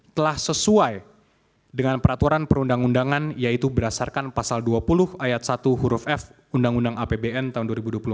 telah sesuai dengan peraturan perundang undangan yaitu berdasarkan pasal dua puluh ayat satu huruf f undang undang apbn tahun dua ribu dua puluh empat